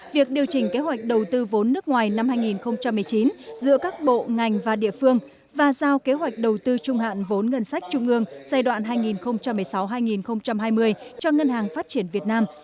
việc điều chỉnh kế hoạch đầu tư vốn nước ngoài năm hai nghìn một mươi chín giữa các bộ ngành và địa phương và giao kế hoạch đầu tư trung hạn vốn ngân sách trung ương giai đoạn hai nghìn một mươi sáu hai nghìn hai mươi cho ngân hàng phát triển việt nam